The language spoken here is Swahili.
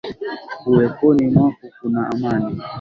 Uweponi mwako kuna amani